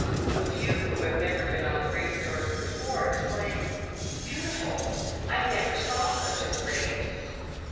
A few who have never been on a course before, exclaim, " Beautiful ! I never saw such a race."